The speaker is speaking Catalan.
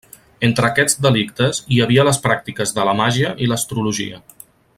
Entre aquests delictes hi havia les pràctiques de la màgia i l'astrologia.